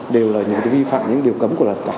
đều là những cái vi phạm những điều cấm của luật cả